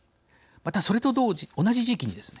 また、それと同じ時期にですね